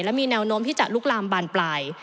และมีแนวโน้มที่จะลุกลามบานปลาย